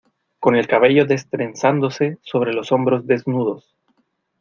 con el cabello destrenzándose sobre los hombros desnudos